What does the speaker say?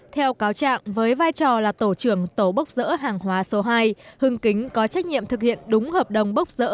theo cáo trạng với vai trò là tổ trưởng tổ bốc dỡ hàng hóa số hai hưng kính có trách nhiệm thực hiện đúng hợp đồng bốc rỡ